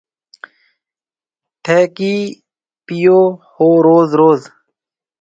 ٿَي ڪِي پيو هون روز روز